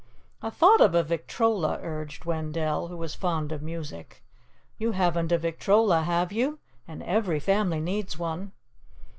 "I thought of a victrola," urged Wendell, who was fond of music. "You haven't a victrola, have you? And every family needs one."